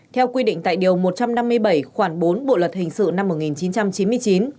theo quy định tại điều một trăm năm mươi bảy khoảng bốn bộ luật hình sự năm một nghìn chín trăm chín mươi chín